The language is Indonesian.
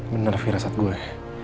bener firasat gue